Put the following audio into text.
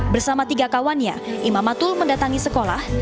bersama tiga kawannya imam matul mendatangi sekolah